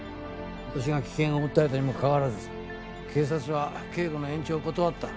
私が危険を訴えたにもかかわらず警察は警護の延長を断った。